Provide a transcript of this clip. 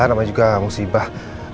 namanya juga musibah